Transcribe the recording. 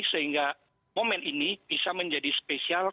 sehingga momen ini bisa menjadi spesial